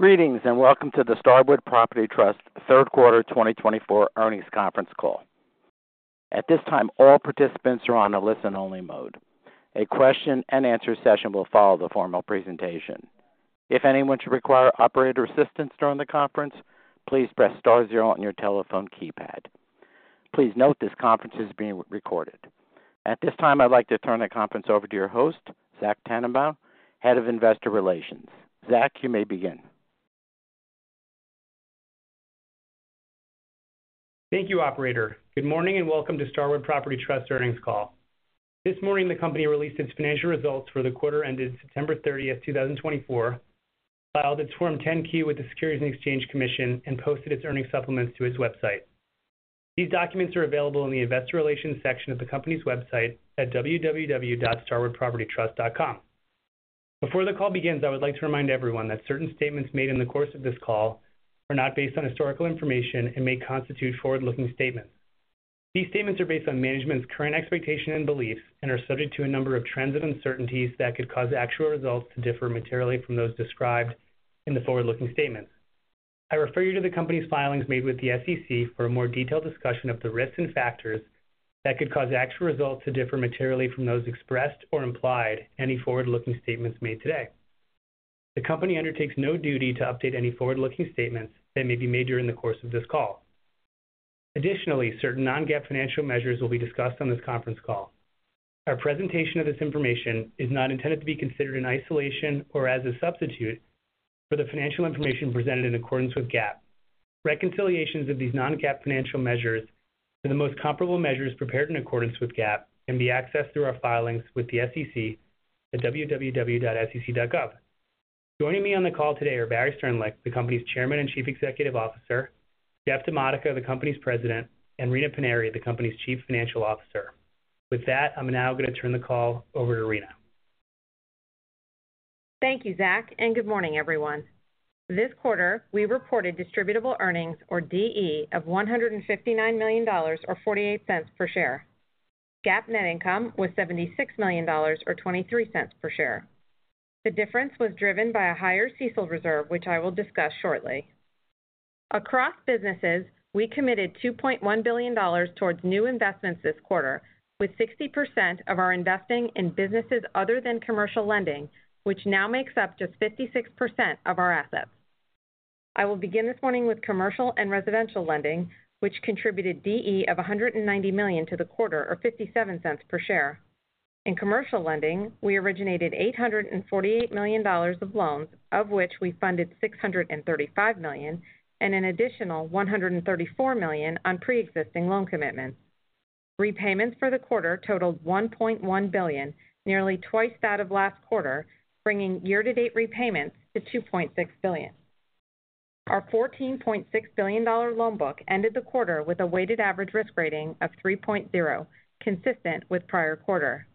Greetings and welcome to the Starwood Property Trust Third Quarter 2024 Earnings Conference call. At this time, all participants are in a listen-only mode. A question-and-answer session will follow the formal presentation. If anyone should require operator assistance during the conference, please press star zero on your telephone keypad. Please note this conference is being recorded at this time. I'd like to turn the conference over to your host, Zach Tanenbaum, Head of Investor Relations. Zach, you may begin. Thank you, operator. Good morning and welcome to Starwood Property Trust earnings call. This morning the Company released its financial results for the quarter ended September 30, 2024, filed its Form 10-Q with the Securities and Exchange Commission and posted its earnings supplements to its website. These documents are available in the Investor Relations section of the company's website at www.starwoodpropertytrust.com. Before the call begins, I would like to remind everyone that certain statements made in the course of this call are not based on historical information and may constitute forward-looking statements. These statements are based on management's current expectations and beliefs and are subject to a number of trends and uncertainties that could cause actual results to differ materially from those described in the forward-looking statements. I refer you to the Company's filings made with the SEC for a more detailed discussion of the risks and factors that could cause actual results to differ materially from those expressed or implied in any forward-looking statements made today. The Company undertakes no duty to update any forward-looking statements that may be made during the course of this call. Additionally, certain non-GAAP financial measures will be discussed on this conference call. Our presentation of this information is not intended to be considered in isolation or as a substitute for the financial information presented in accordance with GAAP. Reconciliations of these non-GAAP financial measures to the most comparable measures prepared in accordance with GAAP can be accessed through our filings with the SEC at www.sec.gov. Joining me on the call today are Barry Sternlicht, the company's Chairman and Chief Executive Officer, Jeff DiModica, the company's President, and Rina Paniry, the company's Chief Financial Officer. With that, I'm now going to turn the call over to Rina. Thank you, Zach. And good morning everyone. This quarter we reported distributable earnings or DE of $159 million, or $0.48 per share. GAAP net income was $76 million or $0.23 per share. The difference was driven by a higher CECL reserve which I will discuss shortly. Across businesses, we committed $2.1 billion towards new investments this quarter with 60% of our investing in businesses other than commercial lending, which now makes up just 56% of our assets. I will begin this morning with commercial and residential lending which contributed DE of $190 million to the quarter or $0.57 per share in commercial lending. We originated $848 million of loans of which we funded $635 million and an additional $134 million on pre-existing loan commitments. Repayments for the quarter totaled $1.1 billion, nearly twice that of last quarter, springing year-to-date repayments to $2.6 billion. Our $14.6 billion loan book ended the quarter with a weighted average risk rating of 3.0, consistent with prior quarter.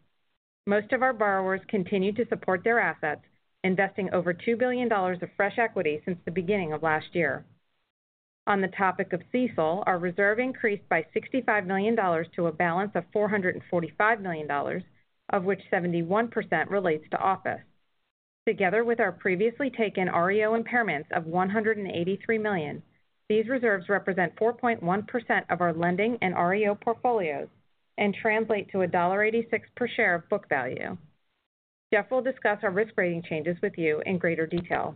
Most of our borrowers continued to support their assets, investing over $2 billion of fresh equity since the beginning of last year. On the topic of CECL, our reserve increased by $65 million to a balance of $445 million, of which 71% relates to office. Together with our previously taken REO impairments of $183 million, these reserves represent 4.1% of our lending and REO portfolios and translate to $1.86 per share of book value. Jeff will discuss our risk rating changes with you in greater detail.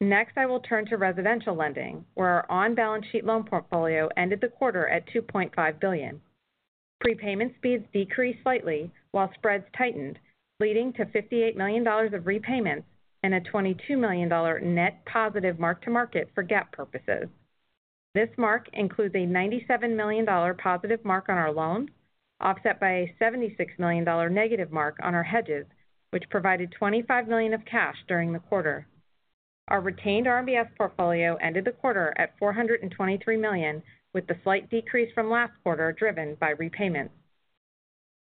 Next I will turn to residential lending where our on balance sheet loan portfolio ended the quarter at $2.5 billion. Prepayment speeds decreased slightly while spreads tightened leading to $58 million of repayments and a $22 million net positive mark to market for GAAP purposes. This mark includes a $97 million positive mark on our loans, offset by a $76 million negative mark on our hedges which provided $25 million of cash during the quarter. Our retained RMBS portfolio ended the quarter at $423 million with the slight decrease from last quarter driven by repayments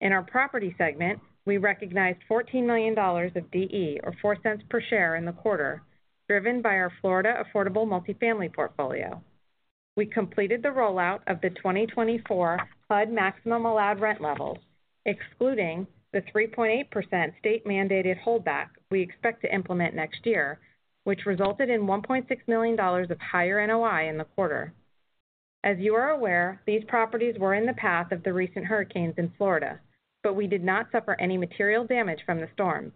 in our property segment. We recognized $14 million of DE or $0.04 per share in the quarter driven by our Florida affordable multifamily portfolio. We completed the rollout of the 2024 HUD maximum allowed rent levels excluding the 3.8% state mandated holdback we expect to implement next year, which resulted in $1.6 million of higher NOI in the quarter. As you are aware, these properties were in the path of the recent hurricanes in Florida, but we did not suffer any material damage from the storm.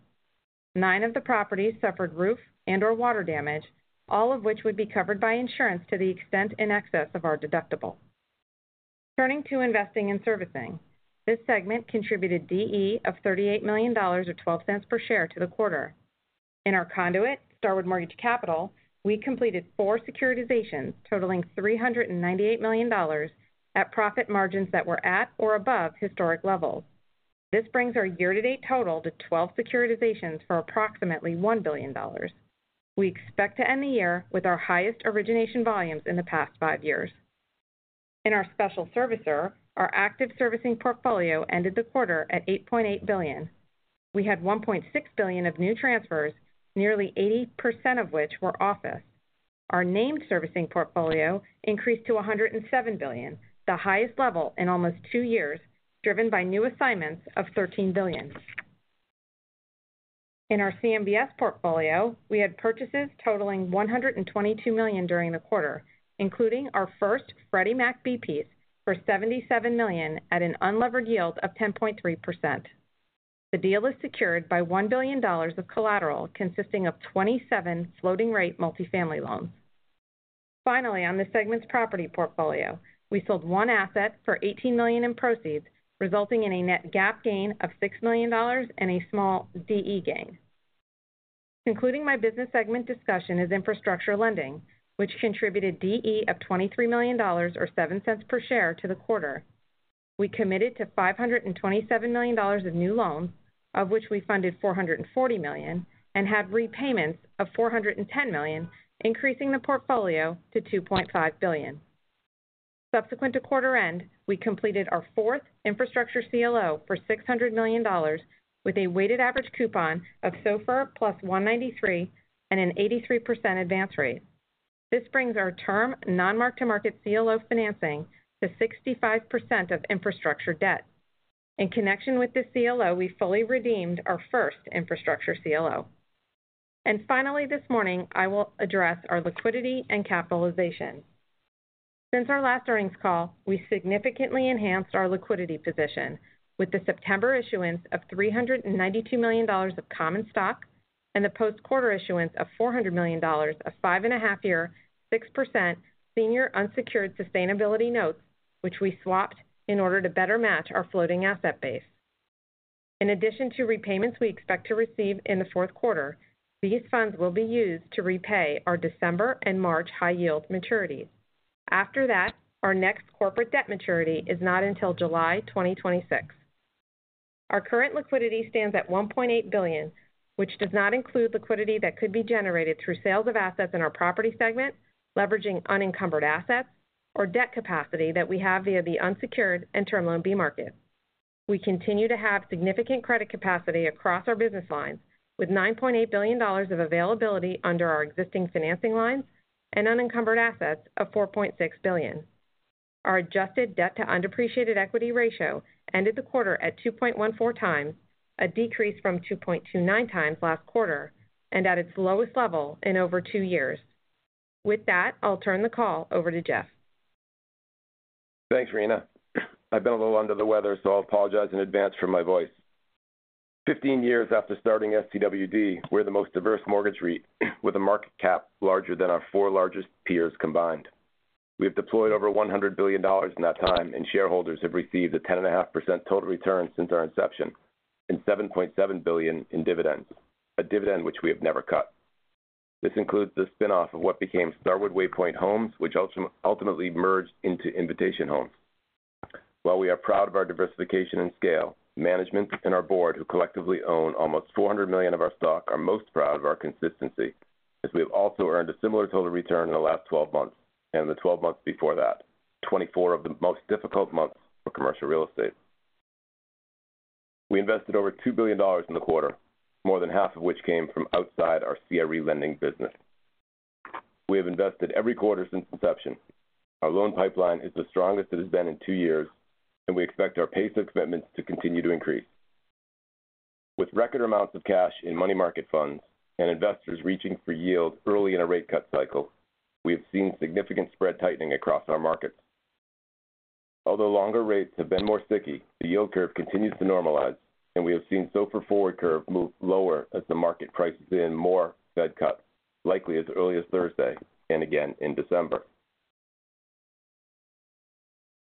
Nine of the properties suffered roof and or water damage, all of which would be covered by insurance to the extent in excess of our deductible. Turning to investing and servicing, this segment contributed DE of $38 million or $0.12 per share to the quarter. In our conduit, Starwood Mortgage Capital, we completed four securitizations totaling $398 million at profit margins that were at or above historic levels. This brings our year to date total to 12 securitizations for approximately $1 billion. We expect to end the year with our highest origination volumes in the past five years. In our special servicer, our active servicing portfolio ended the quarter at $8.8 billion. We had $1.6 billion of new transfers, nearly 80% of which were office. Our named servicing portfolio increased to $107 billion, the highest level in almost two years driven by new assignments of $13 billion. In our CMBS portfolio, we had purchases totaling $122 million during the quarter, including our first Freddie Mac B-piece for $77 million at an unlevered yield of 10.3%. The deal is secured by $1 billion of collateral consisting of 27 floating rate multifamily loans. Finally, on this segment's property portfolio, we sold one asset for $18 million in proceeds, resulting in a net GAAP gain of $6 million and a small DE gain. Concluding my business segment discussion is infrastructure lending, which contributed DE of $23 million or $0.07 per share to the quarter. We committed to $527 million of new loans, of which we funded $440 million and had repayments of $410 million, increasing the portfolio to $2.5 billion. Subsequent to quarter-end, we completed our fourth infrastructure CLO for $600 million with a weighted average coupon of SOFR plus 193 and an 83% advance rate. This brings our term non-mark-to-market CLO financing to 65% of infrastructure debt. In connection with the CLO, we fully redeemed our first infrastructure CLO, and finally this morning I will address our liquidity and capitalization since our last earnings call. We significantly enhanced our liquidity position with the September issuance of $392 million of common stock and the post-quarter issuance of $400 million, a 5.5-year 6% senior unsecured sustainability notes which we swapped in order to better match our floating asset base. In addition to repayments we expect to receive in the fourth quarter, these funds will be used to repay our December and March high yield maturities. After that, our next corporate debt maturity is not until July 2026. Our current liquidity stands at $1.8 billion, which does not include liquidity that could be generated through sales of assets in our property segment, leveraging unencumbered assets or debt capacity that we have via the unsecured and Term Loan B market. We continue to have significant credit capacity across our business lines with $9.8 billion of availability under our existing financing lines and unencumbered assets of $4.6 billion. Our adjusted debt to undepreciated equity ratio ended the quarter at 2.14 times, a decrease from 2.29 times last quarter and at its lowest level in over two years. With that, I'll turn the call over to Jeff. Thanks, Rina. I've been a little under the weather so I'll apologize in advance for my voice. 15 years after starting STWD, we're the most diverse mortgage REIT with a market cap larger than our four largest peers combined. We have deployed over $100 billion in that time and shareholders have received a 10.5% total return since our inception and $7.7 billion in dividends, a dividend which we have never cut. This includes the spin off of what became Starwood Waypoint Homes, which ultimately merged into Invitation Homes. While we are proud of our diversification and scale management and our board, who collectively own almost $400 million of our stock, are most proud of our consistency as we have also earned a similar total return in the last 12 months and the 12 months before that, 24 of the most difficult months for commercial real estate. We invested over $2 billion in the quarter, more than half of which came from outside our CRE lending business. We have invested every quarter since inception. Our loan pipeline is the strongest it has been in two years and we expect our pace of commitments to continue to increase. With record amounts of cash in money market funds and investors reaching for yield early in a rate cut cycle, we have seen significant spread tightening across our markets, although longer rates have been more sticky. The yield curve continues to normalize and we have seen SOFR forward curve move lower as the market prices in more Fed cuts likely as early as Thursday and again in December.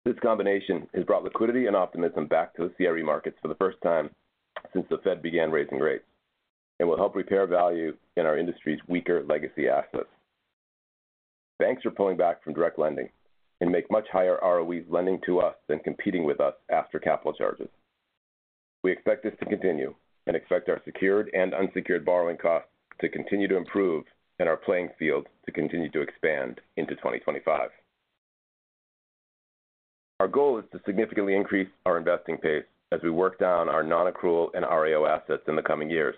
This combination has brought liquidity and optimism back to the CRE markets for the first time since the Fed began raising rates and will help repair value in our industry's weaker legacy assets. Banks are pulling back from direct lending and make much higher ROEs lending to us than competing with us after capital charges. We expect this to continue and expect our secured and unsecured borrowing costs to continue to improve and our playing field to continue to expand into 2025. Our goal is to significantly increase our investing pace as we work down our non-accrual and REO assets in the coming years.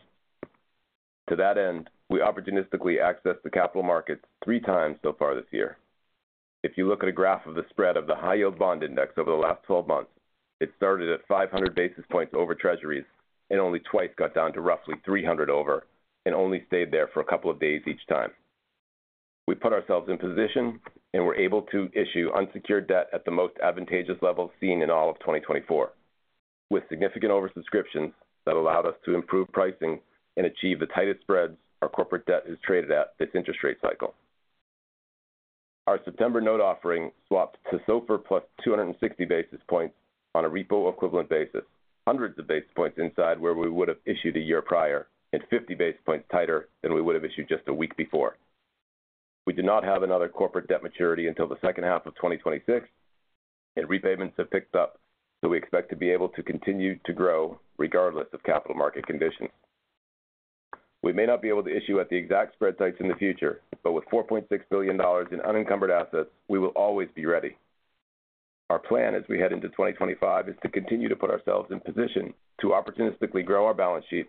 To that end, we opportunistically accessed the capital markets three times so far this year. If you look at a graph of the spread of the High Yield Bond Index over the last 12 months, it started at 500 basis points over Treasuries and only twice got down to roughly 300 over and only stayed there for a couple of days. Each time we put ourselves in position and were able to issue unsecured debt at the most advantageous level seen in all of 2024 with significant oversubscriptions that allowed us to improve pricing and achieve the tightest spreads. Our corporate debt is traded at this interest rate cycle. Our September note offering swapped to SOFR plus 260 basis points on a repo equivalent basis, hundreds of basis points inside where we would have issued a year prior and 50 basis points tighter than we would have issued just a week before. We do not have another corporate debt maturity until the second half of 2026 and repayments have picked up, so we expect to be able to continue to grow regardless of capital market conditions. We may not be able to issue at the exact spread size in the future, but with $4.6 billion in unencumbered assets we will always be ready. Our plan as we head into 2025 is to continue to put ourselves in position to opportunistically grow our balance sheet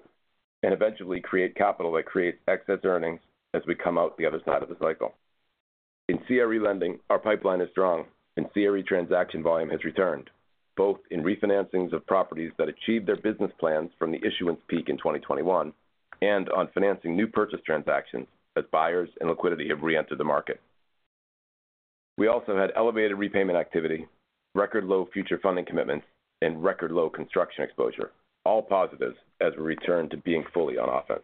and eventually create capital that creates excess earnings as we come out the other side of the cycle. In CRE lending, our pipeline is strong and CRE transaction volume has returned both in refinancings of properties that achieved their business plans from the issuance peak in 2021 and on financing new purchase transactions as buyers and liquidity have reentered the market. We also had elevated repayment activity, record low future funding commitments and record low construction exposure, all positives as we returned to being fully on offense.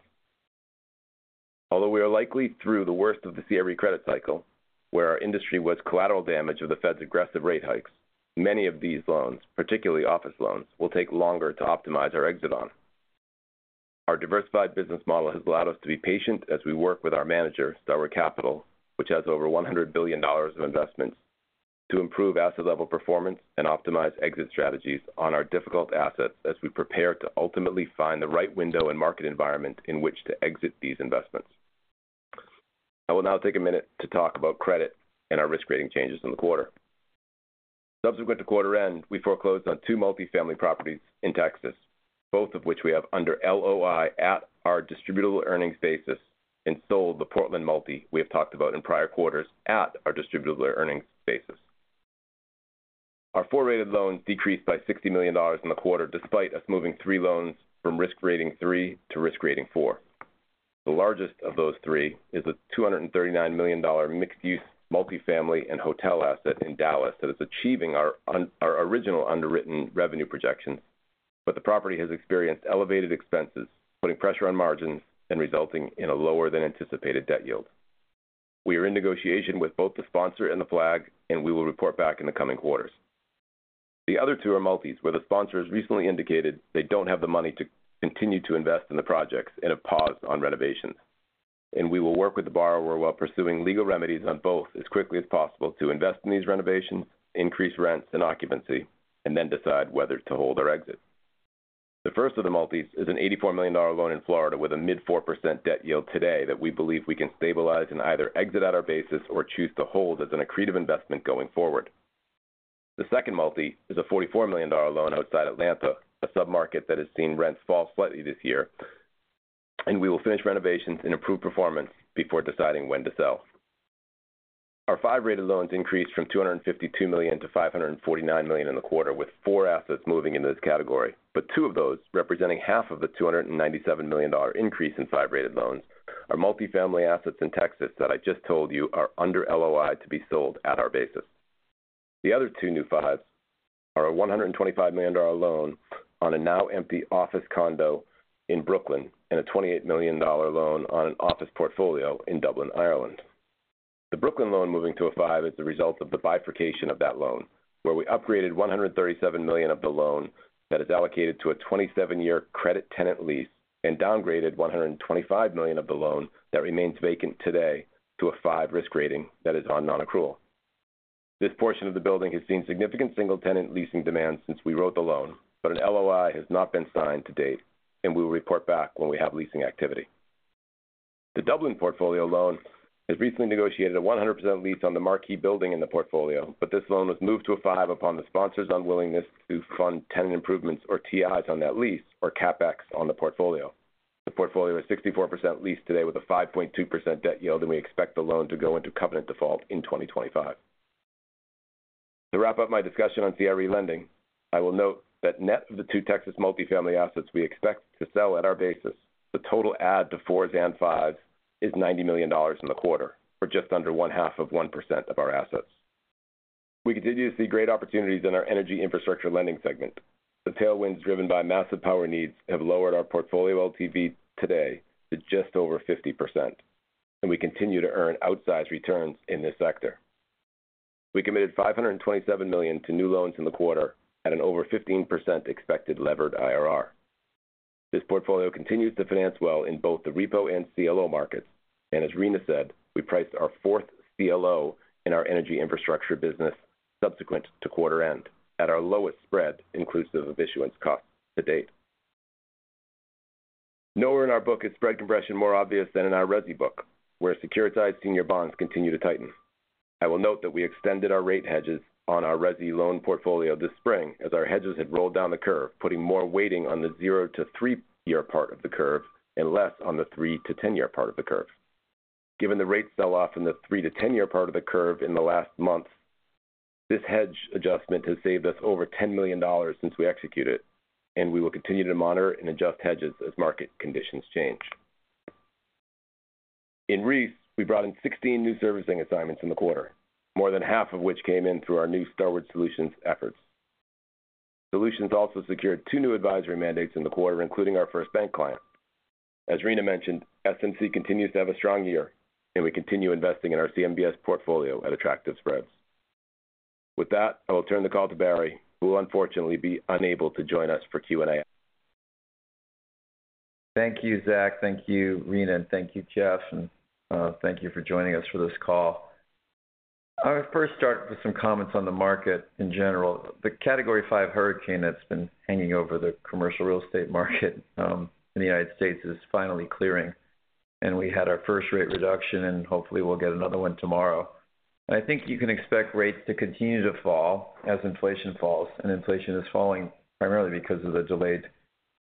Although we are likely through the worst of the CRE credit cycle where our industry was collateral damage of the Fed's aggressive rate hikes, many of these loans, particularly office loans, will take longer to optimize. Our exit on our diversified business model has allowed us to be patient as we work with our manager, Starwood Capital, which has over $100 billion of investments to improve asset level performance and optimize exit strategies on our difficult assets. As we prepare to ultimately find the right window and market environment in which to exit these investments, I will now take a minute to talk about credit and our risk rating changes in the quarter. Subsequent to quarter end, we foreclosed on two multifamily properties in Texas, both of which we have under LOI at our distributable earnings basis and sold the Portland multi we have talked about in prior quarters. At our distributable earnings basis, our four rated loans decreased by $60 million in the quarter despite us moving three loans from risk rating three to risk rating four. The largest of those three is a $239 million mixed-use multifamily and hotel asset in Dallas that is achieving our original underwritten revenue projections, but the property has experienced elevated expenses putting pressure on margins and resulting in a lower than anticipated debt yield. We are in negotiation with both the sponsor and the flag and we will report back in the coming quarters. The other two are multis where the sponsors recently indicated they don't have the money to continue to invest in the projects and have paused on renovations and we will work with the borrower while pursuing legal remedies on both as quickly as possible to invest in these renovations, increase rents and occupancy and then decide whether to hold or exit. The first of the multis is an $84 million loan in Florida with a mid 4% debt yield today that we believe we can stabilize and either exit out our basis or choose to hold as an accretive investment going forward. The second multi is a $44 million loan outside Atlanta, a sub market that has seen rents fall slightly this year and we will finish renovations and improve performance before deciding when to sell. Our 5-rated loans increased from $252 million to $549 million in the quarter with four assets moving into this category. But two of those representing half of the $297 million increase in 5-rated loans are multifamily assets in Texas that I just told you are under LOI to be sold at our basis. The other two new fives are a $125 million loan on a now empty office condo in Brooklyn and a $28 million loan on an office portfolio in Dublin, Ireland. The Brooklyn loan moving to a 5 is the result of the bifurcation of that loan where we upgraded $137 million of the loan that is allocated to a 27-year credit tenant lease and downgraded $125 million of the loan that remains vacant today to a 5 risk rating that is on non-accrual. This portion of the building has seen significant single tenant leasing demand since we wrote the loan, but an LOI has not been signed to date and we will report back when we have leasing activity. The Dublin portfolio loan has recently negotiated a 100% lease on the marquee building in the portfolio, but this loan was moved to a 5 upon the sponsor's unwillingness to fund tenant improvements or TIs on that lease or CapEx on the portfolio. The portfolio is 64% leased today with a 5.2% debt yield and we expect the loan to go into covenant default in 2025. To wrap up my discussion on CRE lending, I will note that net of the two Texas multifamily assets we expect to sell at our basis, the total add to 4s and 5s is $90 million in the quarter for just under 0.5% of our assets. We continue to see great opportunities in our energy infrastructure lending segment. The tailwinds driven by massive power needs have lowered our portfolio LTV today to just over 50% and we continue to earn outsized returns in this sector. We committed $527 million to new loans in the quarter at an over 15% expected levered IRR. This portfolio continues to finance well in both the repo and CLO markets and as Rina said, we priced our fourth CLO in our energy infrastructure business subsequent to quarter end at our lowest spread inclusive of issuance costs to date. Nowhere in our book is spread compression more obvious than in our Resi book where securitized senior bonds continue to tighten. I will note that we extended our rate hedges on our Resi loan portfolio this spring as our hedges had rolled down the curve, putting more weighting on the 0 to 3 year part of the curve and less on the 3 to 10 year part of the curve given the rate sell off in the three to ten year part of the curve in the last month. This hedge adjustment has saved us over $10 million since we executed and we will continue to monitor and adjust hedges as market conditions change. In REIS. We brought in 16 new servicing assignments in the quarter, more than half of which came in through our new Starwood Solutions efforts. Solutions also secured two new advisory mandates in the quarter, including our first bank client. As Rina mentioned, SMC continues to have a strong year and we continue investing in our CMBS portfolio at attractive spreads. With that, I will turn the call to Barry who will unfortunately be unable to join us for Q and A. Thank you Zach, thank you Rina and thank you Jeff and thank you for joining us for this call. I'll first start with some comments on the market in general. The category five hurricane that's been hanging over the commercial real estate market in the United States is finally clearing and we had our first rate reduction and hopefully we'll get another one tomorrow. I think you can expect rates to continue to fall as inflation falls, and inflation is falling primarily because of the delayed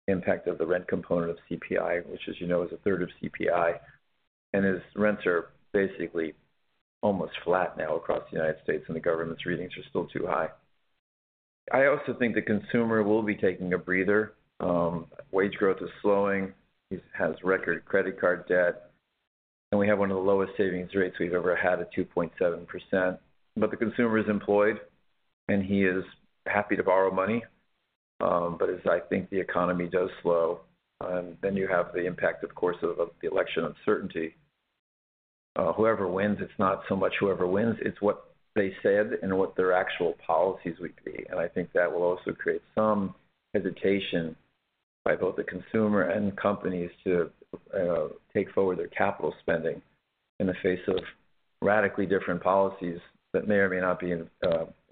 impact of the rent component of CPI, which as you know, is a third of CPI, and as rents are basically almost flat now across the United States and the government's readings are still too high, I also think the consumer will be taking a breather. Wage growth is slowing. He has record credit card debt and we have one of the lowest savings rates we've ever had at 2.7%. But the consumer is employed and he is happy to borrow money. But as I think the economy does slow, then you have the impact, of course, of the election uncertainty. Whoever wins, it's not so much whoever wins, it's what's said and what their actual policies would be. And I think that will also create some hesitation by both the consumer and companies to take forward their capital spending in the face of radically different policies that may or may not be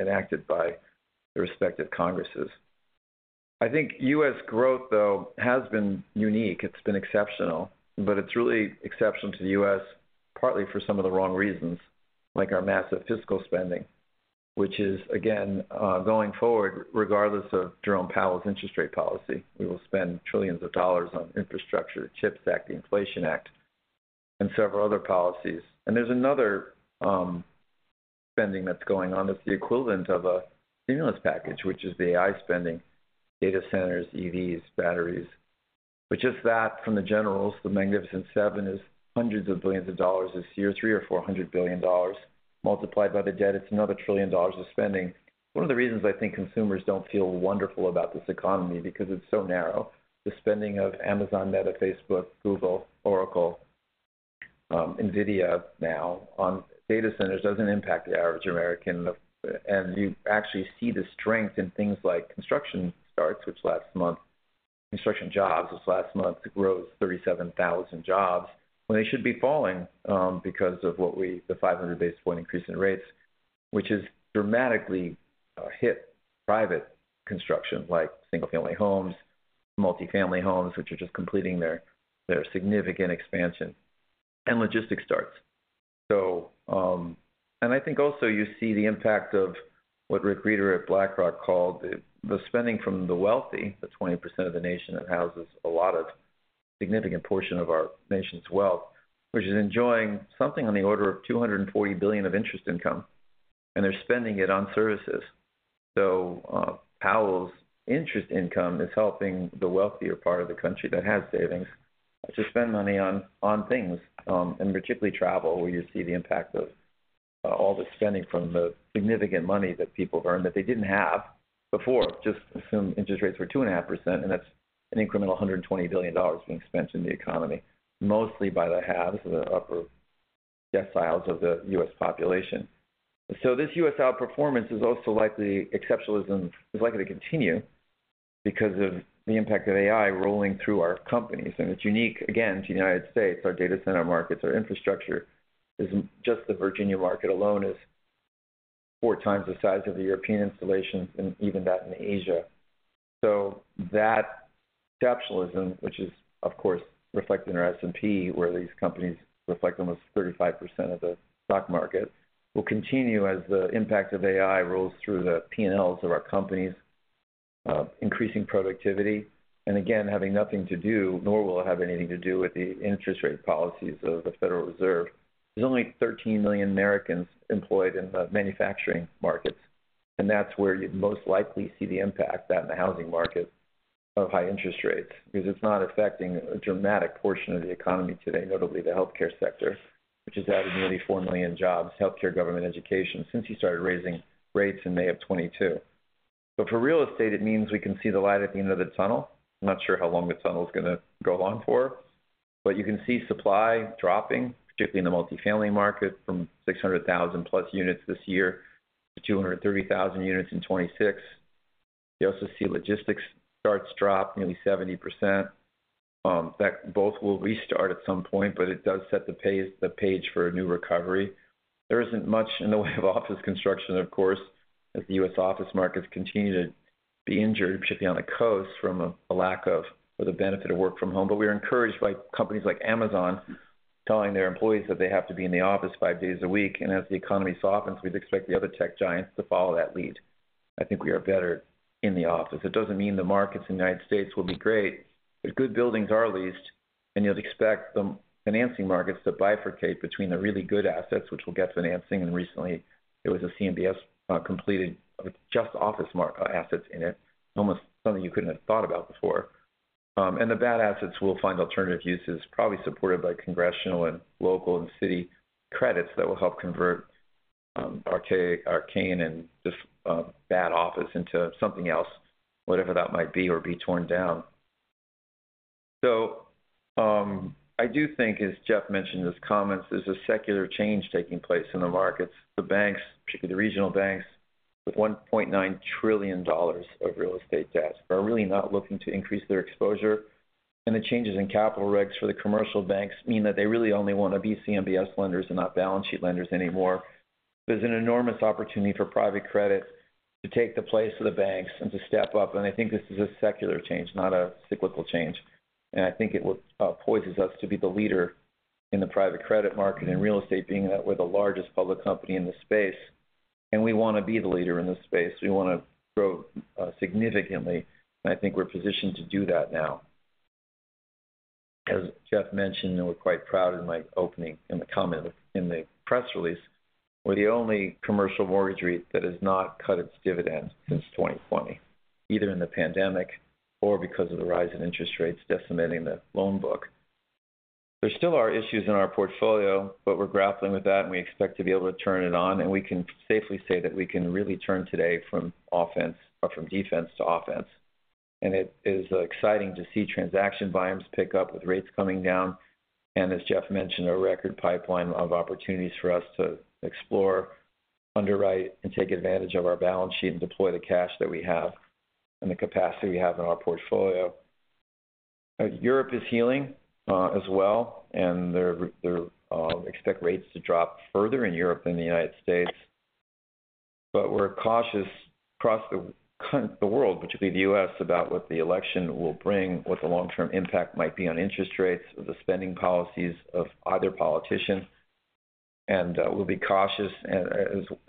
enacted by the respective Congresses. I think U.S. growth though has been unique. It's been exceptional, but it's really exceptional to the U.S., partly for some of the wrong reasons, like our massive fiscal spending, which is again going forward regardless of Jerome Powell's interest rate policy. We will spend trillions of dollars on infrastructure, the CHIPS Act, the Inflation Act and several other policies. And there's another spending that's going on that's the equivalent of a stimulus package which is the AI spending data centers, EVs, batteries, but just that from the generals. The Magnificent Seven is $ hundreds of billions. This year, $300-$400 billion multiplied by the debt, it's another $1 trillion of spending. One of the reasons I think consumers don't feel wonderful about this economy because it's so narrow. The spending of Amazon, Meta, Facebook, Google, Oracle, Nvidia, now on data centers doesn't impact the average American. You actually see the strength in things like construction. Last month, construction jobs rose 37,000 jobs when they should be falling because of the 500 basis points increase in rates, which has dramatically hit private construction, like single family homes, multifamily homes, which are just completing their significant expansion and logistics starts. I think also you see the impact of what Rick Rieder at BlackRock called the spending from the wealthy, the 20% of the nation that houses a lot of significant portion of our nation's wealth, which is enjoying something on the order of $240 billion of interest income, and they're spending it on services. Powell's interest income is helping the wealthier part of the country that has savings to spend money on things and particularly travel, where you see the impact of all the spending from the significant money that people have earned that they didn't have before. Just assume interest rates were 2.5% and that's an incremental $120 billion being spent in the economy mostly by the haves, the upper deciles of the U.S. population. This U.S. outperformance is also likely. Exceptionalism is likely to continue because of the impact of AI rolling through our companies. It's unique again to the United States. Our data center markets, our infrastructure, just the Virginia market alone is four times the size of the European installations and even that in Asia. That exceptionalism, which is of course reflected in our S&P where these companies reflect almost 35% of the stock market, will continue as the impact of AI rolls through the P&Ls of our companies, increasing productivity and again having nothing to do, nor will it have anything to do with the interest rate policies of the Federal Reserve. There's only 13 million Americans employed in the manufacturing markets. That's where you'd most likely see the impact that in the housing market of high interest rates. Because it's not affecting a dramatic portion of the economy today, notably the health care sector which has added nearly four million jobs, healthcare, government, education since he started raising rates in May 2022. For real estate it means we can see the light at the end of the tunnel. I'm not sure how long the tunnel's going to go along for, but you can see supply dropping, particularly in the multifamily market from 600,000+ units this year to 230,000 units in 2026. You also see logistics starts drop nearly 70% that both will restart at some point, but it does set the stage for a new recovery. There isn't much in the way of office construction of course as the U.S. office markets continue to suffer on the coasts from a lack of, or the benefit of, work from home, but we are encouraged by companies like Amazon telling their employees that they have to be in the office five days a week, and as the economy softens, we'd expect the other tech giants to follow that lead. I think we are better in the office. It doesn't mean the markets in the United States will be great, but good buildings are leased and you'll expect the financing markets to bifurcate between the really good assets, which we'll get financing. Recently it was a CMBS completed with just office assets in it, almost something you couldn't have thought about before. The bad assets will find alternative uses, probably supported by congressional and local and city credits that will help convert arcane and bad office into something else, whatever that might be, or be torn down. I do think, as Jeff mentioned in his comments, there's a secular change taking place in the markets. The banks, particularly the regional banks with $1.9 trillion of real estate debt, are really not looking to increase their exposure. The changes in capital regs for the commercial banks mean that they really only want to be CMBS lenders and not balance sheet lenders anymore. There's an enormous opportunity for private credit to take the place of the banks and to step up. I think this is a secular change, not a cyclical change. I think it poises us to be the leader in the private credit market in real estate, being that we're the largest public company in this space and we want to be the leader in this space, we want to grow significantly. I think we're positioned to do that. Now, as Jeff mentioned, and we're quite proud in my opening comments in the press release, we're the only commercial mortgage REIT that has not cut its dividend since 2020, either in the pandemic or because of the rise in interest rates, decimating the loan book. There still are issues in our portfolio, but we're grappling with that and we expect to be able to turn it around. And we can safely say that we can really turn today from defense to offense. And it is exciting to see transaction volumes pick up with rates coming down and as Jeff mentioned, a record pipeline of opportunities for us to explore, underwrite and take advantage of our balance sheet and deploy the cash that we have and the capacity we have in our portfolio. Europe is healing as well, and we expect rates to drop further in Europe than the United States, but we're cautious across the world, particularly the U.S., about what the election will bring, what the long-term impact might be on interest rates or the spending policies of either politician, and we'll be cautious,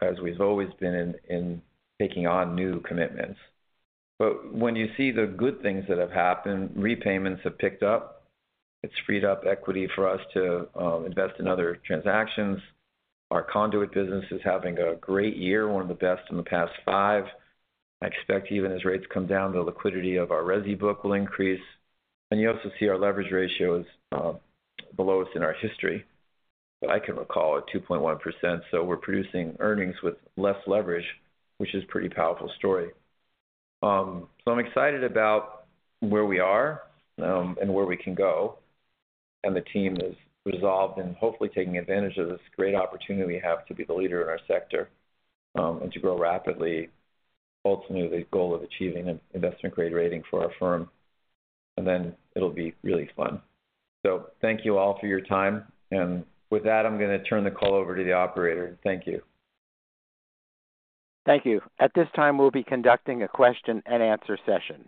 as we've always been, in taking on new commitments, but when you see the good things that have happened, repayments have picked up, it's freed up equity for us to invest in other transactions. Our conduit business is having a great year, one of the best in the past five, I expect. Even as rates come down, the liquidity of our Resi book will increase, and you also see our leverage ratio is the lowest in our history, but I can recall, at 2.1%, so we're producing earnings with less leverage, which is a pretty powerful story. So I'm excited about where we are and where we can go and the team is resolved and hopefully taking advantage of this great opportunity we have to be the leader in our sector and to grow rapidly. Ultimately the goal of achieving an investment grade rating for our firm and then it'll be really fun. So thank you all for your time. And with that, I'm going to turn the call over to the operator. Thank you. Thank you at this time we'll be conducting a question and answer session.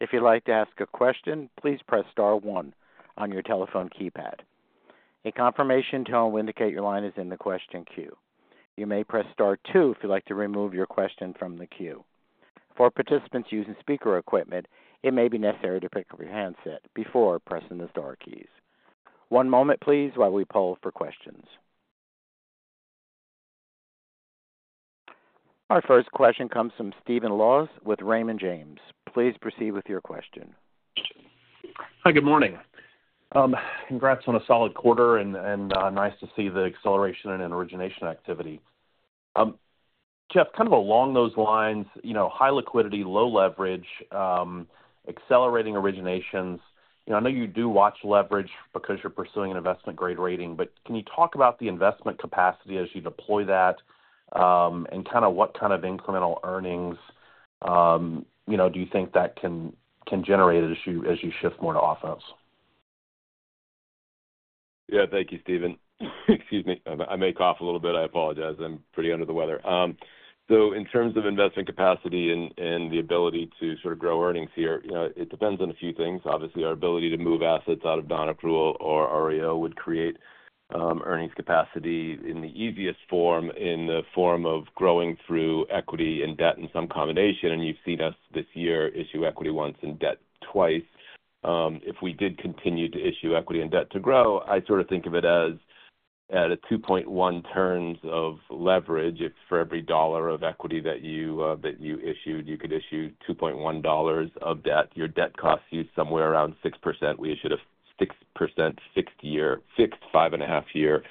If you'd like to ask a question, please press star one on your telephone keypad. A confirmation tone will indicate your line is in the question queue. You may press star two if you'd like to remove your question from the queue. For participants using speaker equipment, it may be necessary to pick up your handset before pressing the star keys. One moment, please, while we poll for questions. Our first question comes from Steven Laws with Raymond James. Please proceed with your question. Hi, good morning. Congrats on a solid quarter and nice to see the acceleration in origination activity. Jeff, kind of along those lines, you know, high liquidity, low leverage, accelerating originations. I know you do watch leverage because you're pursuing an investment grade rating, but can you, can you talk about the investment capacity as you deploy that and kind of what kind of incremental earnings do you think that can generate as you shift more to offense? Yeah. Thank you, Steven. Excuse me, I may cough a little bit. I apologize. I'm pretty under the weather. So in terms of investment capacity and the ability to grow earnings here, it depends on a few things. Obviously, our ability to move assets out of non-accrual or REO would create earnings capacity in the easiest form in the form of growing through equity and debt in some combination. And you've seen us this year issue equity once, in debt twice. If we did continue to issue equity and debt to grow, I sort of think of it as at 2.1 turns of leverage, for every dollar of equity that you issued, you could issue $2.1 of debt. Your debt costs you somewhere around 6%. We issued a 6% fixed 5.5-year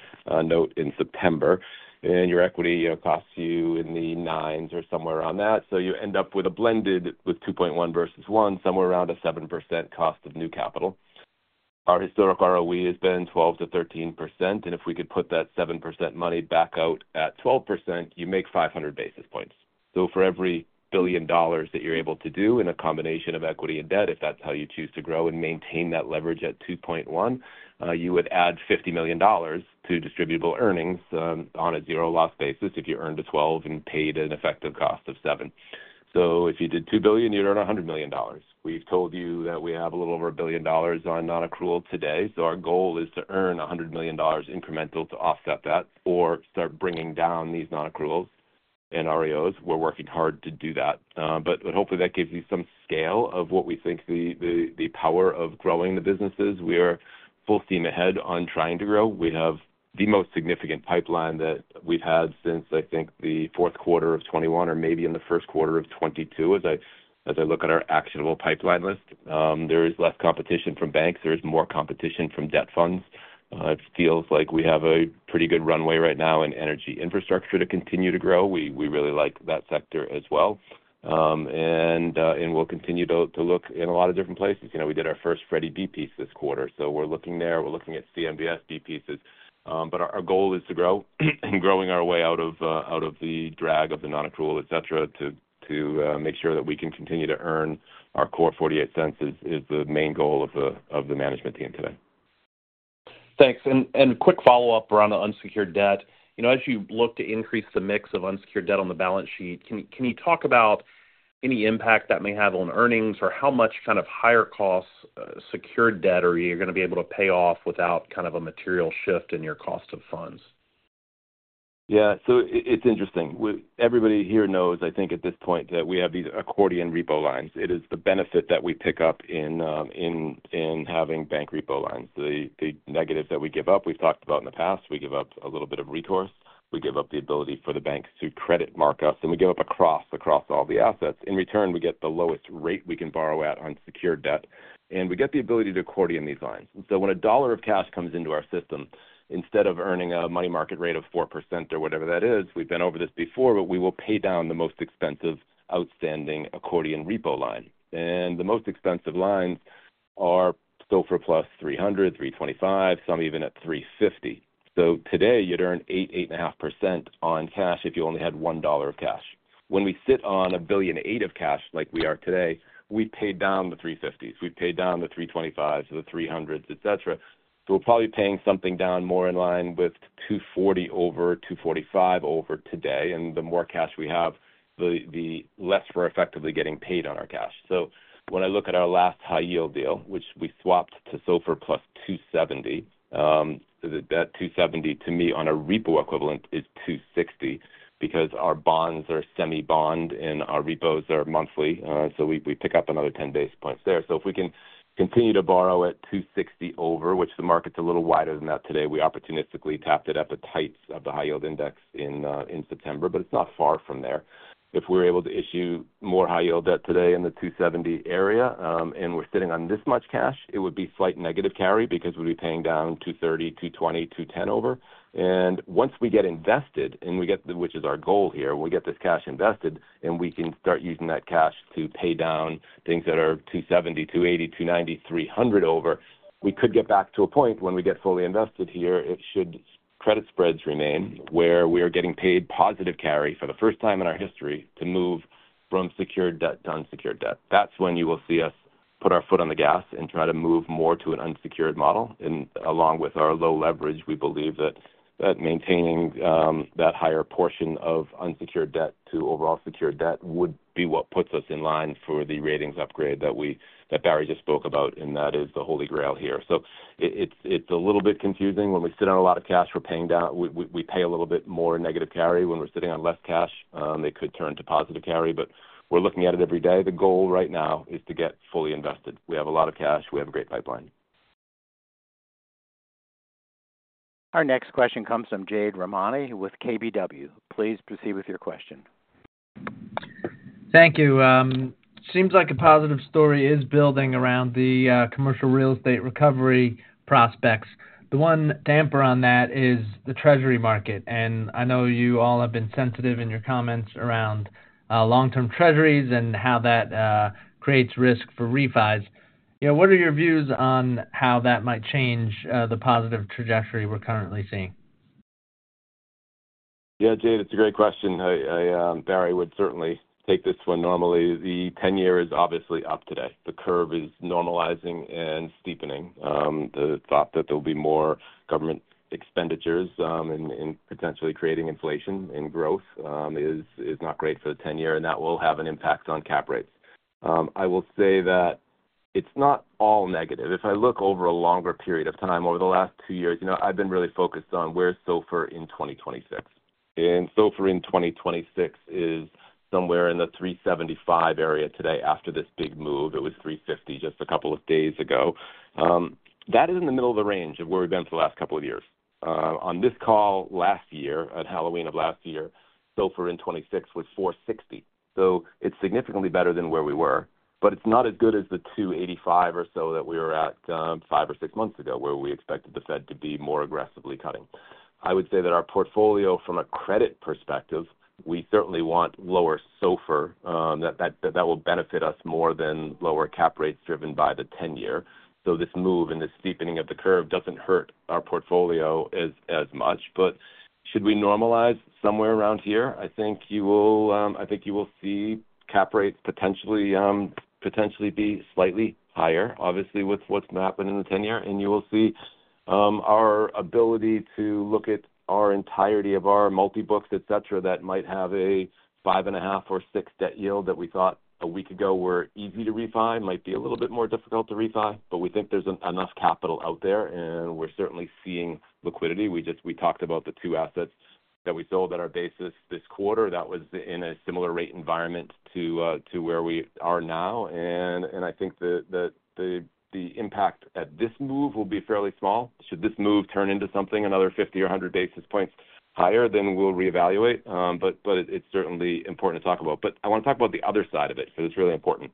note in September. Your equity costs you in the nines or somewhere around that, so you end up with a blended with 2.1 versus 1 somewhere around a 7% cost of new capital. Our historic ROE has been 12%-13%. If we could put that 7% money back out at 12%, you make 500 basis points. For every $1 billion that you're able to do in a combination of equity and debt, if that's how you choose to grow and maintain that leverage at 2.1, you would add $50 million to distributable earnings on a zero loss basis if you earned a 12 and paid an effective cost of 7. If you did $2 billion, you'd earn $100 million. We've told you that we have a little over $1 billion on non-accrual today. Our goal is to earn $100 million incremental to offset that or start bringing down these non-accruals and REOs. We're working hard to do that, but hopefully that gives you some scale of what we think the power of growing the businesses. We are focusing on steam ahead on trying to grow. We have the most significant pipeline that we've had since I think 4Q21 or maybe in 1Q22. As I look at our actionable pipeline list, there is less competition from banks, there is more competition from debt funds. It feels like we have a pretty good runway right now in energy infrastructure to continue to grow. We really like that sector as well and we'll continue to look in a lot of different places. We did our first Freddie Mac B-piece this quarter, so we're looking there, we're looking at CMBS B-pieces, but our goal is to grow and growing our way out of the drag of the non-accrual, et cetera, to make sure that we can continue to earn our core $0.48. This is the main goal of the management team today. Thanks and quick follow-up around the unsecured debt as you look to increase the mix of unsecured debt on the balance sheet, can you talk about any impact that may have on earnings or how much kind of higher costs secured debt are? You going to be able to pay? Off without kind of a material shift in your cost of funds? Yeah. So it's interesting. Everybody here knows, I think at this point, that we have these accordion repo lines. It is the benefit that we pick up in having bank repo lines. The negative that we give up, we've talked about in the past, we give up a little bit of recourse. We give up the ability for the banks to credit mark us and we give up recourse across all the assets. In return, we get the lowest rate we can borrow at, unsecured debt, and we get the ability to accordion these lines. So when a dollar of cash comes into our system, instead of earning a money market rate of 4% or whatever that is, we've been over this before, but we will pay down the most expensive outstanding accordion repo line. And the most expensive lines are still SOFR plus 300, 325, some even at 350. So today you'd earn 8%-8.5% on cash if you only had $1 of cash. When we sit on $1.8 billion of cash like we are today, we paid down the 350s, we paid down the 325s, the 300s, et cetera. So we're probably paying something down more in line with 240-245 over today. And the more cash we have, the less we're effectively getting paid on our cash. So when I look at our last high yield deal, which we switch to SOFR plus 270, that 270 to me on a repo equivalent is 260 because our bonds are semi-annual and our repos are monthly, so we pick up another 10 basis points there. If we can continue to borrow at 260 over, which the market's a little wider than that today, we opportunistically tapped it at the tights of the high yield index in September, but it's not far from there. If we're able to issue more high yield debt today in the 270 area and we're sitting on this much cash, it would be slight negative carry because we'd be paying down 230, 220, 210 over. Once we get invested, which is our goal here, we get this cash invested and we can start using that cash to pay down things that are 270, 280, 290, 300 over. We could get back to a point when we get fully invested here. It should. Credit spreads remain where we are getting paid. Positive carry for the first time in our history to move from secured debt to unsecured debt. That's when you will see us put our foot on the gas and try to move more to an unsecured model. Along with our low leverage, we believe that maintaining that higher portion of unsecured debt to overall secured debt would be what puts us in line for the ratings upgrade that Barry just spoke about. And that is the holy grail here. So it's a little bit confusing. When we sit on a lot of cash, we're paying down, we pay a little bit more negative carry. When we're sitting on less cash, they could turn to positive carry. But we're looking at it every day. The goal right now is to get fully invested. We have a lot of cash, we have a great pipeline. Our next question comes from Jade Rahmani with KBW. Please proceed with your question. Thank you. Seems like a positive story is building around the commercial real estate recovery prospects. The one damper on that is the Treasury market, and I know you all have been sensitive in your comments around long term Treasuries and how that creates risk for refis. What are your views on how that might change the positive trajectory we're currently seeing? Yeah, Jade, it's a great question. Barry would certainly take this one. Normally the 10 year is obviously up. Today the curve is normalizing and steepening. The thought that there will be more government expenditures and potentially creating inflation and growth is not great for the 10 year and that will have an impact on cap rates. I will say that it's not all negative. If I look over a longer period of time over the last two years, you know, I've been really focused on where SOFR in 2026 and SOFR in 2026 is somewhere in the 375 area today after this big move. It was 350 just a couple of days ago. That is in the middle of the range of where we've been for the last couple of years on this call. Last year at Halloween of last year SOFR in 26 was 460. So it's significantly better than where we were. But it's not as good as the 285 or so that we were at five or six months ago where we expected the Fed to be more aggressively cutting. I would say that our portfolio from a credit perspective we certainly want lower SOFR that will benefit us more than lower cap rates driven by the 10 year. So this move and the steepening of the curve doesn't hurt our portfolio as much. But should we normalize somewhere around here I think you will see cap rates potentially be slightly higher. Obviously, with what's happened in the 10-year and you will see our ability to look at our entirety of our multi books et cetera that might have a five and a half or six debt yield that we thought a week ago were easy to refi, might be a little bit more difficult to refi. We think there's enough capital out there and we're certainly seeing liquidity. We just, we talked about the two assets that we sold at our basis this quarter that was in a similar rate environment to where we are now. I think that the impact at this move will be fairly small. Should this move turn into something another 50 or 100 basis points higher then we'll reevaluate. It's certainly important to talk about. I want to talk about the other side of it because it's really important.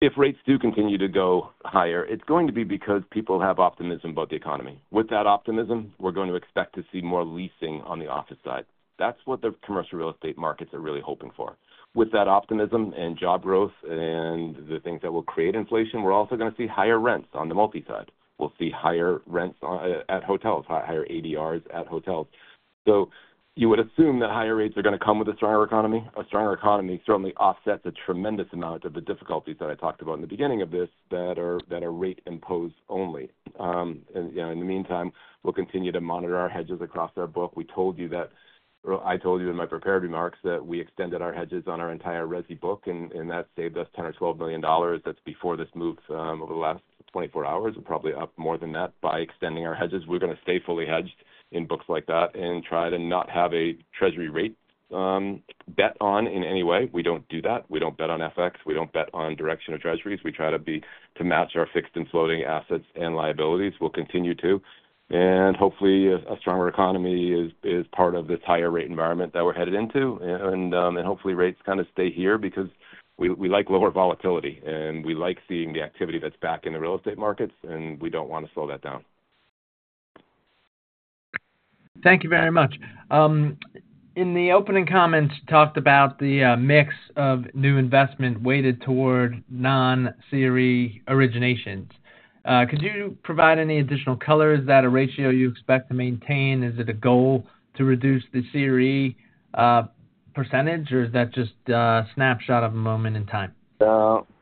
If rates do continue to go higher, it's going to be because people have optimism about the economy. With that optimism we're going to expect to see more leasing on the office side. That's what the commercial real estate markets are really hoping for. With that optimism and job growth and the things that will create inflation, we're also going to see higher rents on the multi side. We'll see higher rents at hotels, higher ADRs at hotels. So you would assume that higher rates are going to come with a stronger economy. A stronger economy certainly offsets a tremendous amount of the difficulties that I talked about in the beginning of this that are rate imposed only in the meantime. We'll continue to monitor our hedges across our book. We told you that. I told you in my prepared remarks that we extended our hedges on our entire Resi book and that saved us $10 million-$12 million. That's before this move over the last 24 hours, probably up more than that. By extending our hedges, we're going to stay fully hedged in books like that and try to not have a Treasury rate bet on in any way. We don't do that. We don't bet on fx. We don't bet on direction of Treasuries. We try to match our fixed and floating assets and liabilities. We'll continue to, and hopefully a stronger economy is part of this higher rate environment that we're headed into. Hopefully rates kind of stay here because we like lower volatility and we like seeing the activity that's back in the real estate markets and we don't want to slow that down. Thank you very much. In the opening comments talked about the mix of new investment weighted toward non CRE originations. Could you provide any additional color? Is that a ratio you expect to maintain? Is it a goal to reduce the CRE percentage or is that just a snapshot of a moment in time?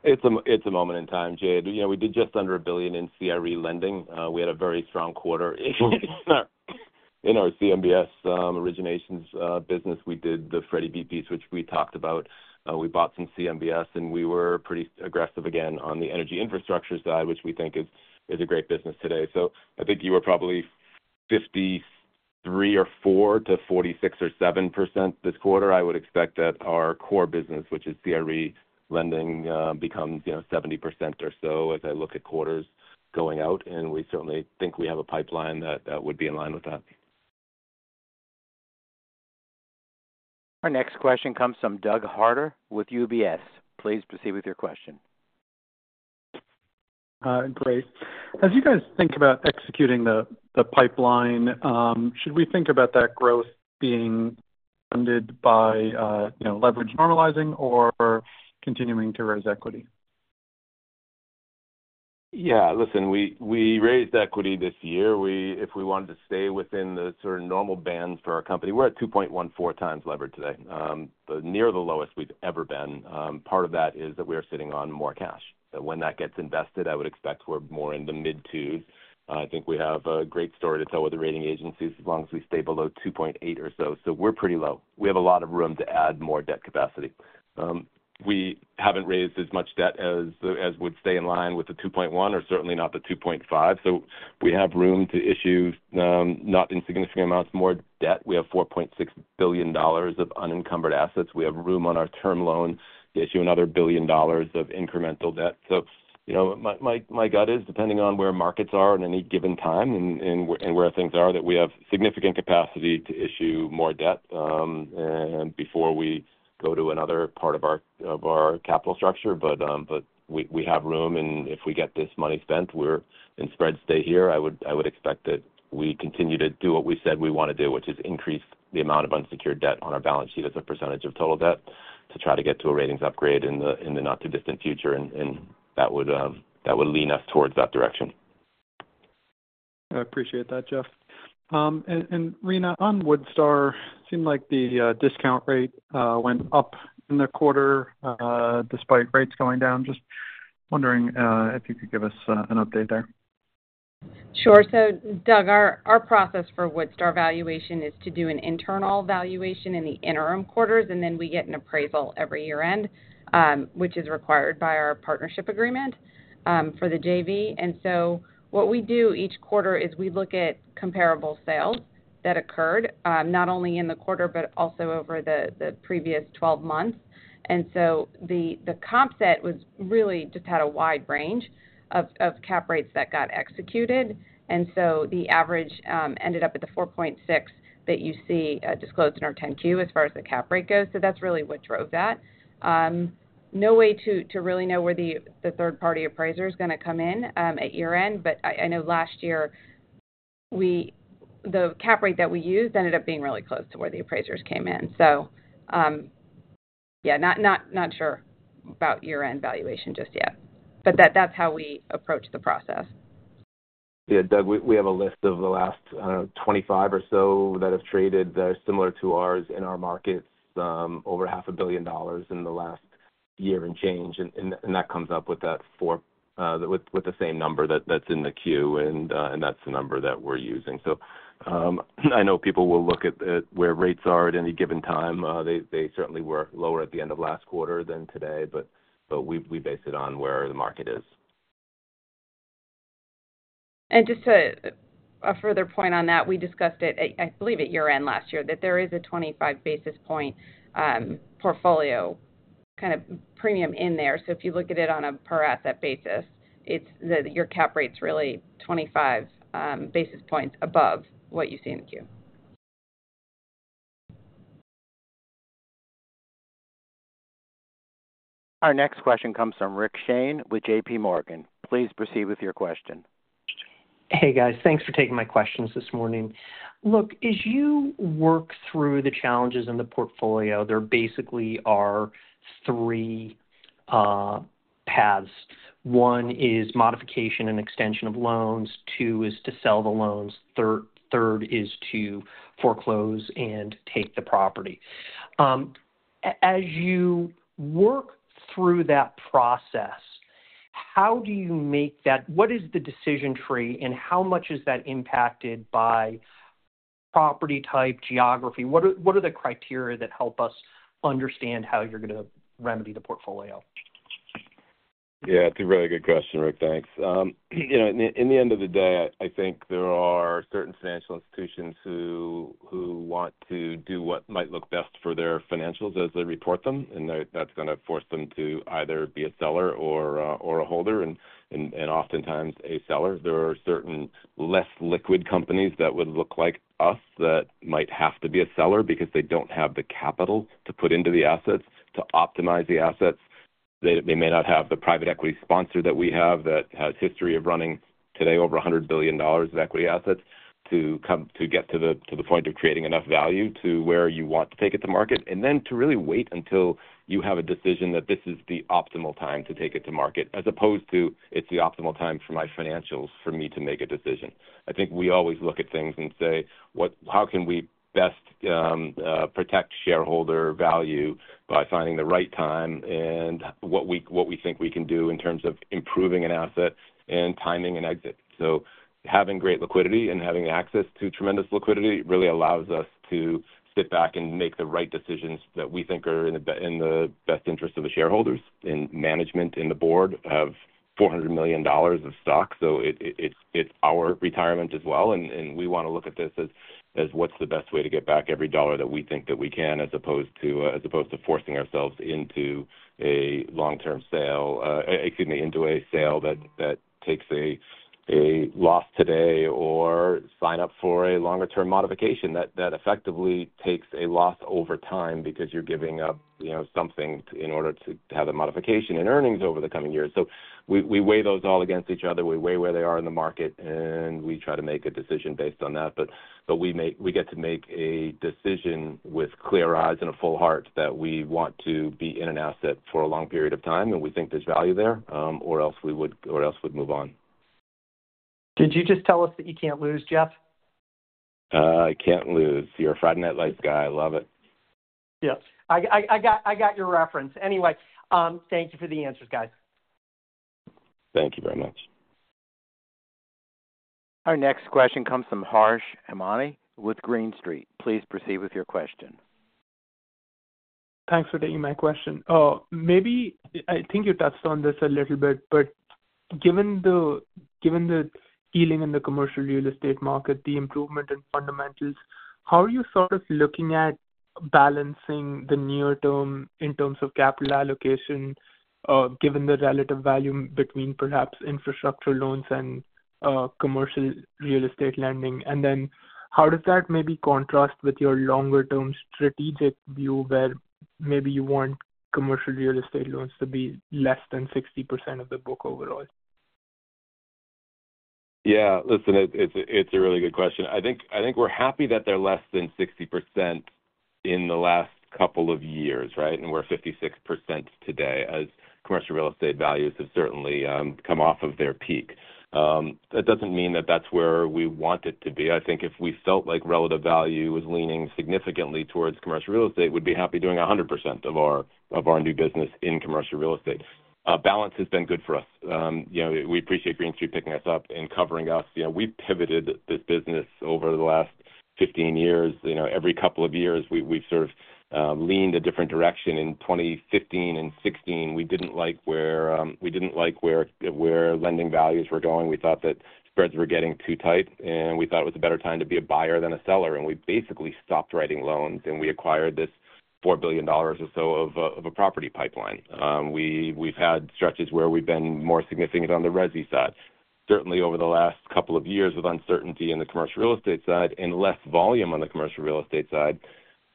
It's a moment in time, Jay. We did just under $1 billion in CRE lending. We had a very strong quarter in our CMBS originations business. We did the Freddie Mac B-piece which we talked about. We bought some CMBS and we were pretty aggressive again on the energy infrastructure side, which we think is a great business today. So I think you were probably 53 or 4-46 or 7% this quarter. I would expect that our core business, which is CRE lending, becomes 70% or so as I look at quarters going out. And we certainly think we have a pipeline that would be in line with that. Our next question comes from Doug Harter with UBS. Please proceed with your question. Great. As you guys think about executing the pipeline, should we think about that growth being funded by leverage, normalizing or continuing to raise equity? Yeah, listen, we raised equity this year if we wanted to stay within the sort of normal band for our company. We're at 2.14 times levered today, near the lowest we've ever been. Part of that is that we are sitting on more cash when that gets invested. I would expect we're more in the mid twos. I think we have a great story to tell with the rating agencies. As long as we stay below 2.8 or so. So we're pretty low. We have a lot of room to add more debt capacity. We haven't raised as much debt as would stay in line with the 2.1 or certainly not the 2.5. So we have room to issue not insignificant amounts more debt. We have $4.6 billion of unencumbered assets. We have room on our term loan to issue another $1 billion of incremental debt. You know, my gut is depending on where markets are at any given time and where things are that we have significant capacity to issue more debt before we go to another part of our capital structure. But we have room and if we get this money spent, we're in spreads. Stay here. I would expect that we continue to do what we said we want to do, which is increase the amount of unsecured debt on our balance sheet as a percentage of total debt to try to get to a ratings upgrade in the not too distant future and that would lean us towards that direction. I appreciate that. Jeff and Rina on Woodstar seemed like the discount rate went up in the quarter despite rates going down. Just wondering if you could give us an update there. Sure. So Doug, our process for Woodstar valuation is to do an internal valuation in the interim quarters and then we get an appraisal every year-end which is required by our partnership agreement for the jv. And so what we do each quarter is we look at comparable sales that occurred not only in the quarter but also over the previous 12 months. And so the comp set was really just had a wide range of cap rates that got executed and so the average ended up at the 4.6 that you see disclosed in our 10-Q as far as the cap rate goes. So that's really what drove that. No way to really know where the third party appraiser is going to come in at year end, but I know last year the cap rate that we used ended up being really close to where the appraisers came in, so yeah, not sure about year end valuation just yet, but that's how we approach the process. Yeah, Doug, we have a list of the last 25 or so that have traded that are similar to ours in our markets. Over $500 million in the last year and change and that comes up with that four with the same number that's in the queue and that's the number that we're using. I know people will look at where rates are at any given time. They certainly were lower at the end of quarter than today but we base it on where the market is. Just a further point on that, we discussed it, I believe at year end last year that there is a 25 basis points portfolio kind of premium in there. So if you look at it on a per asset basis, your cap rate is really 25 basis points above what you see in the Q. Our next question comes from Rick Shane with J.P. Morgan. Please proceed with your question. Hey guys, thanks for taking my questions this morning. Look, as you work through the challenges in the portfolio there basically are three paths. One is modification and extension of loans. Two is to sell the loans. The third is to foreclose and take the property. As you work through that process, how do you make that? What is the decision tree and how much is that impacted by property type, geography? What are the criteria that help us. Understand how you're going to remedy the portfolio? Yeah, it's a really good question Rick, thanks. In the end of the day I think there are certain financial institutions who want to do what might look best for their financials as they report them and that's going to force them to either be a seller or a holder and oftentimes a seller. There are certain less liquid companies that would look like us that might have to be a seller because they don't have the capital to put into the assets to optimize the assets. They may not have the private equity sponsor that we have that has history of running today over $100 billion of equity assets to come to get to the point of creating enough value to where you want to take it to market and then to really wait until you have a decision that this is the optimal time to take it to market as opposed to it's the optimal time for my financials for me to make a decision. I think we always look at things and say, how can we best protect shareholder value by finding the right time and what we think we can do in terms of improving an asset and timing and exit. Having great liquidity and having access to tremendous liquidity really allows us to sit back and make the right decisions that we think are in the best interest of the shareholders and management and the board have $400 million of stock. It's our retirement as well. We want to look at this as what's the best way to get back every dollar that we think that we can, as opposed to forcing ourselves into long term sale. Excuse me, into a sale that takes a loss today or sign up for a longer term modification that effectively takes a loss over time because you're giving up something in order to have a modification in earnings over the coming years. We weigh those all against each other. We weigh where they are in the market and we try to make a decision based on that. But we get to make a decision with clear eyes and a full heart that we want to be in an asset for a long period of time and we think there's value there or else we would, or else would move on. Did you just tell us that you can't lose, Jeff? I can't lose. You're a Friday Night Lights guy. I love it. Yes, I got your reference anyway. Thank you for the answers, guys. Thank you very much. Our next question comes from Harsh Hemnani with Green Street. Please proceed with your question. Thanks for taking my question. Maybe I think you touched on this a little bit. But given the feeling in the commercial real estate market, the improvement in fundamentals, how are you sort of looking at balancing the near term in terms of capital allocation, given the relative value between perhaps infrastructure loans and commercial real estate lending? And then how does that maybe contrast with your longer term strategic view where maybe you want commercial real estate loans to be less than 60% of the book overall? Yeah, listen, it's a really good question. I think we're happy that they're less than 60% in the last couple of years. Right. And we're 56% today as commercial real estate values have certainly come off of their peak. That doesn't mean that that's where we want it to be. I think if we felt like relative value was leaning significantly towards commercial real estate, we'd be happy doing 100% of our new business in commercial real estate. Balance has been good for us. We appreciate Green Street picking us up and covering us. We've pivoted this business over the last 15 years. Every couple of years we've sort of leaned a different direction. In 2015 and 2016, we didn't like where lending values were going. We thought that spreads were going too tight. And we thought it was a better time to be a buyer than a seller. We basically stopped writing loans and we acquired this $4 billion or so of a property pipeline. We've had stretches where we've been more significant on the Resi side certainly over the last couple of years with uncertainty in the commercial real estate side and less volume on the commercial real estate side.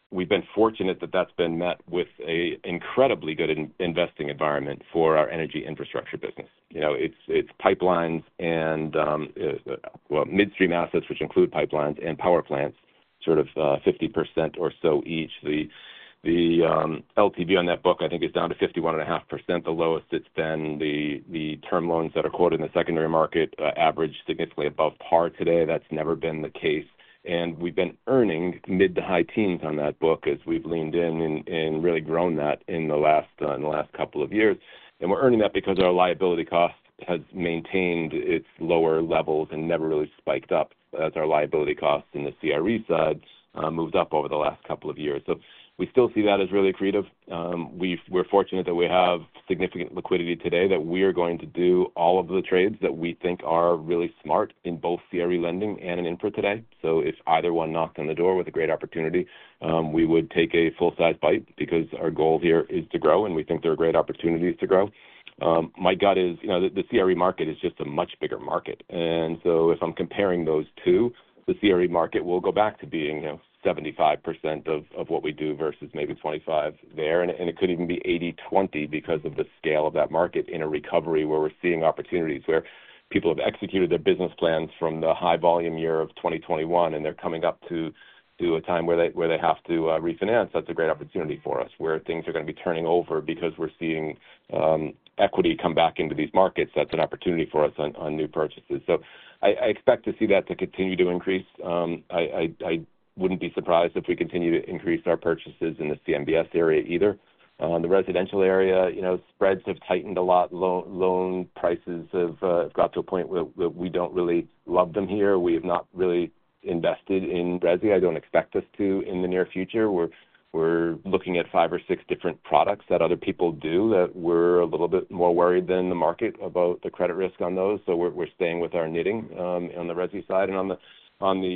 We've been fortunate that that's been met with an incredibly good investing environment for our energy infrastructure business. It's pipelines and midstream assets, which include pipelines and power plants, sort of 50% or so each. The LTV on that book, I think is down to 51.5%, the lowest it's been. The term loans that are quoted in the secondary market average significantly above par today. That's never been the case. We've been earning mid to high teens on that book as we've leaned in and really grown that in the last couple of years. And we're earning that because our liability cost has maintained its lower levels and never really spiked up as our liability costs in the CRE side moved up over the last couple of years. So we still see that as really accretive. We're fortunate that we have significant liquidity today that we are going to do all of the trades that we think are really smart in both CRE lending and in infra today. So if either one knocked on the door with a great opportunity, we would take a full size bite because our goal here is to grow and we think there are great opportunities to grow. My gut is the CRE market is just a much bigger market. And so if I'm comparing those two, the CRE market will go back to being 75% of what we do versus maybe 25% there. It could even be 80-20 because of the scale of that market. In a recovery where we're seeing opportunities, where people have executed their business plans from the high volume year of 2021 and they're coming up to a time where they have to refinance. That's a great opportunity for us where things are going to be turning over because we're seeing equity come back into these markets. That's an opportunity for us on new purchases. So I expect to see that to continue to increase. I wouldn't be surprised if we continue to increase our purchases in the CMBS area either. The residential area spreads have tightened a lot. Loan prices have got to a point where we don't really love them here. We have not really invested in Resi. I don't expect us to in the near future. We're looking at five or six different products that other people do that we're a little bit more worried than the market about the credit risk on those. So we're staying with our knitting. On the Resi side and on the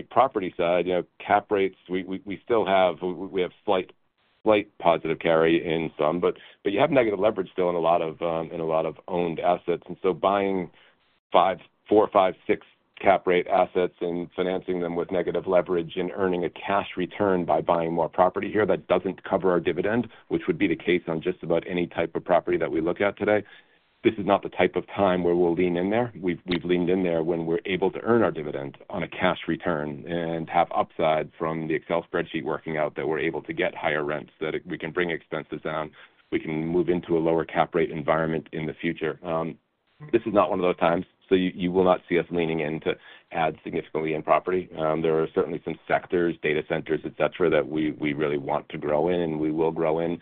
property side, you know, cap rates we still have. We have slightly positive carry in some, but you have negative leverage still in a lot of owned assets. And so buying 5, 4.5, 6 cap rate assets and financing them with negative leverage and earning a cash return by buying more property here that doesn't cover our dividend, which would be the case on just about any type of property that we look at today. This is not the type of time where we'll lean in there. We've leaned in there when we're able to earn our dividend on a cash return and have upside from the Excel spreadsheet working out that we're able to get higher rents, that we can bring expenses down, we can move into a lower cap rate environment in the future. This is not one of those times. So you will not see us leaning in to add significantly in property. There are certainly some sectors, data centers, et cetera, that we really want to grow in and we will grow in.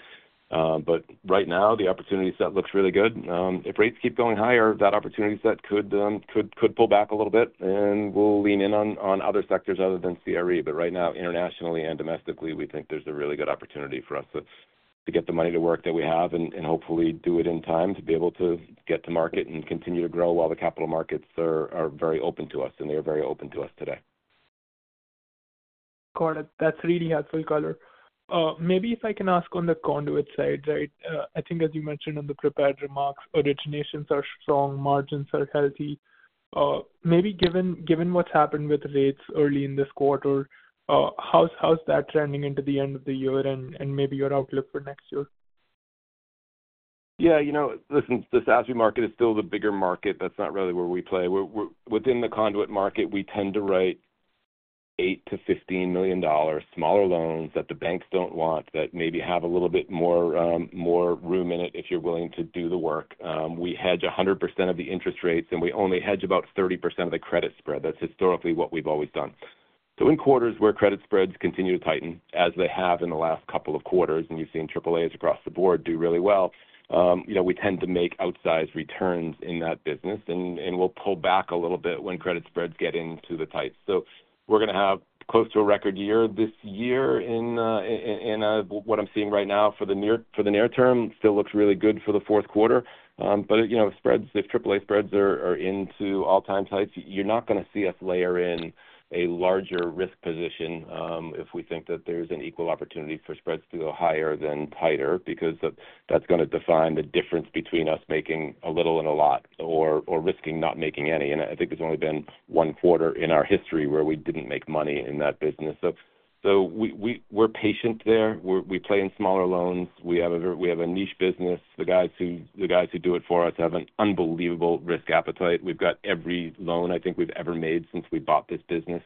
But right now the opportunity set looks really good. If rates keep going higher, that opportunity set could pull back a little bit and we'll lean in on other sectors other than CRE. But right now, internationally and domestically, we think there's a really good opportunity for us to get the money to work that we have and hopefully do it in time to be able to get to market and continue to grow while the capital markets are very open to us and they are very open to us today. Got it. That's really helpful color. Maybe if I can ask on the conduit side. I think as you mentioned in the prepared remarks, originations are strong, margins are healthy. Maybe given what's happened with rates early in this quarter, how's that trending into the end of the year and maybe your outlook for next year? ``Yeah, you know, listen, the SASB market is still the bigger market. That's not really where we play within the conduit market. We tend to write $8 million-$15 million smaller loans that the banks don't want that maybe have a little bit more room in it if you're willing to do the work. We hedge 100% of the interest rates and we only hedge about 30% of the credit spread. That's historically what we've always done. So in quarters where credit spreads continue to tighten as they have in the last couple of quarters and you've seen AAAs across the board do really well, we tend to make outsized returns in that business and we'll pull back a little bit when credit spreads get into the tights. So we're going to have close to.A record year this year in what I'm seeing right now for the near term. Still looks really good for the fourth quarter. But if AAA spreads are into all-time highs, you're not going to see us layer in a larger risk position if we think that there's an equal opportunity for spreads to go higher than tighter. Because that's going to define the difference between us making a little and a lot or risking not making any. And I think there's only been one quarter in our history where we didn't make money in that business. So we're patient there. We play in smaller loans. We have a niche business. The guys who do it for us have an unbelievable risk appetite. We've got every loan I think we've ever made since we bought this business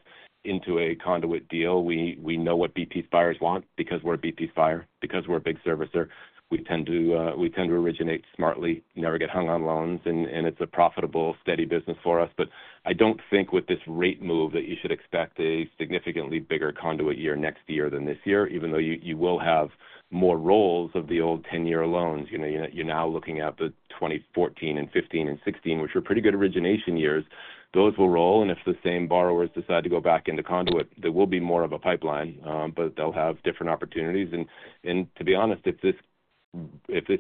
into a conduit deal. We know what B-piece buyers want because we're a B-piece buyer, because we're a big servicer. We tend to originate smartly, never get hung on loans and it's a profitable steady business for us, but I don't think with this rate move that you should expect a significantly bigger conduit year next year than this year. Even though you will have more rolls of the old 10-year loans, you're now looking at the 2014 and 2015 and 2016, which are pretty good origination years. Those will roll, and if the same borrowers decide to go back into conduit, there will be more of a pipeline, but they'll have different opportunities, and to be honest, if this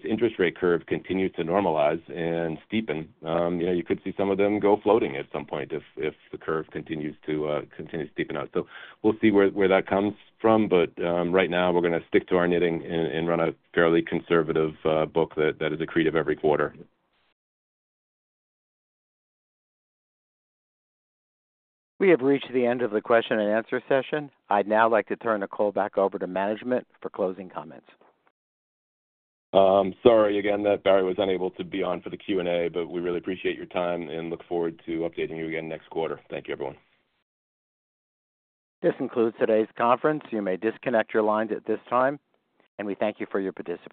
interest rate curve continues to normalize and steepen, you could see some of them go floating at some point. If the curve continues to deepen out, so we'll see where that comes from. But right now we're going to stick to our knitting and run a fairly conservative book that is accretive every quarter. We have reached the end of the question and answer session. I'd now like to turn the call back over to management for closing comments. Sorry again that Barry was unable to be on for the Q&A, but we really appreciate your time and look forward to updating you again next quarter. Thank you everyone. This concludes today's conference. You may disconnect your lines at this time and we thank you for your participation.